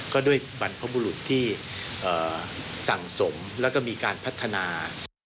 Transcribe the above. ก็ด้วยบรรพบุรุษที่สั่งสมแล้วก็มีการพัฒนา